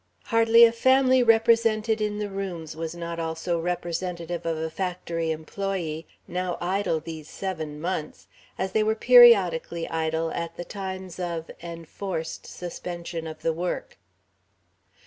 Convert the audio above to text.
Hardly a family represented in the rooms was not also representative of a factory employee, now idle these seven months, as they were periodically idle at the times of "enforced" suspension of the work.